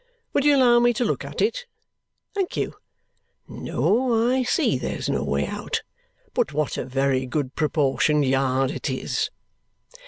Would you allow me to look at it? Thank you. No, I see there's no way out. But what a very good proportioned yard it is!"